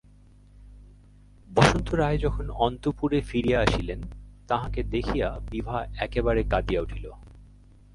বসন্ত রায় যখন অন্তঃপুরে ফিরিয়া আসিলেন, তাঁহাকে দেখিয়া বিভা একেবারে কাঁদিয়া উঠিল।